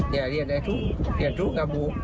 อย่าเรียนแอบทุกอย่าทุกกับบุค่ะ